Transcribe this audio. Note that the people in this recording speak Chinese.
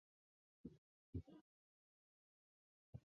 软体度量是一个对于软体性质及其规格的量测。